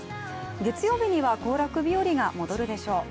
月曜日には行楽日和が戻るでしょう。